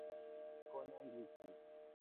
Conan Wiki